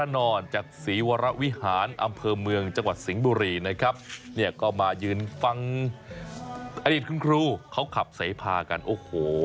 นะครับเนี่ยก็มายืนฟังอดีตคุณครูเขาขับเสภากันโอ้โห